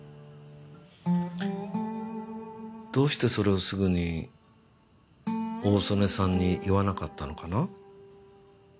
どうしてそれをすぐに大曾根さんに言わなかったのかな？